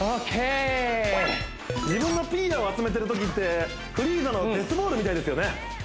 自分のピーヤを集めてるときってフリーザのデスボールみたいですよね